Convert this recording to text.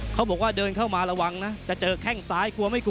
เขาบอกว่าเดินเข้ามาระวังนะจะเจอแข้งซ้ายกลัวไม่กลัว